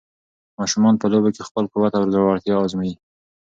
ماشومان په لوبو کې خپل قوت او زړورتیا ازمويي.